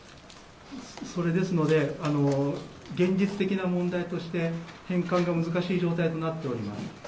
それですので現実的な問題として返還が難しい状態となっています。